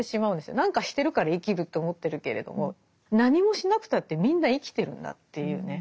何かしてるから生きると思ってるけれども何もしなくたってみんな生きてるんだっていうね。